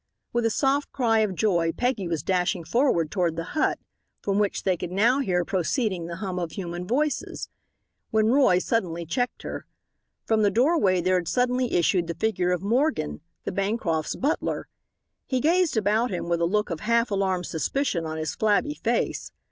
With a soft cry of joy Peggy was dashing forward toward the hut, from which they could now hear proceeding the hum of human voices, when Roy suddenly checked her. From the doorway there had suddenly issued the figure of Morgan, the Bancrofts' butler. He gazed about him with a look of half alarmed suspicion on his flabby face.